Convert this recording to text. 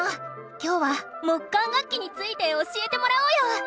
今日は木管楽器について教えてもらおうよ。